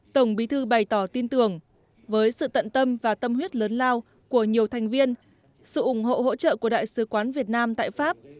tổng bí thư bày tỏ tin tưởng với sự tận tâm và tâm huyết lớn lao của nhiều thành viên sự ủng hộ hỗ trợ của đại sứ quán việt nam tại pháp